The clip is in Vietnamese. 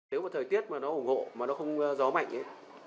nếu mà thời tiết mà nó ủng hộ mà nó không gió mạnh ấy